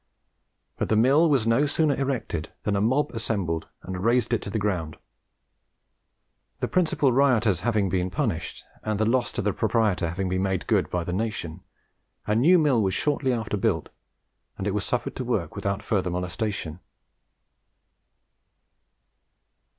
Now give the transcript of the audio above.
But the mill was no sooner erected than a mob assembled and razed it to the ground. The principal rioters having been punished, and the loss to the proprietor having been made good by the nation, a new mill was shortly after built, and it was suffered to work without further molestation.